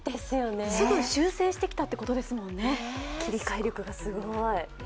すぐ修正してきたってことですもんね、切り替えがすごい。